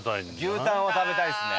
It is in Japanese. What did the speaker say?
牛タンは食べたいですね。